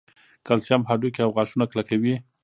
کلسیم هډوکي او غاښونه کلکوي